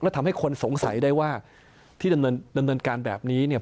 แล้วทำให้คนสงสัยได้ว่าที่ดำเนินการแบบนี้เนี่ย